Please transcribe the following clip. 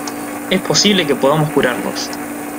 es posible que podamos curarlos.